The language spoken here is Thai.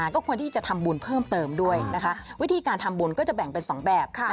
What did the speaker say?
ก็ควรที่จะทำบุญเพิ่มเติมด้วยนะคะวิธีการทำบุญก็จะแบ่งเป็น๒แบบ